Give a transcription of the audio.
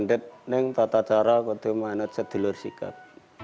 saya bisa menggali kota joro tapi saya tetap sedulur sikep